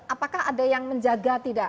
apakah ada yang menjaga tidak